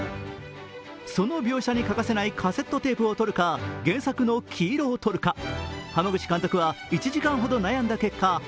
その描写に欠かせないカセットテープをとるか原作の黄色をとるか濱口監督は１時間ほど悩んだ結果